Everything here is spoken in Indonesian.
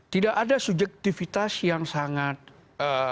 tidak ada subjektivitas yang sangat ee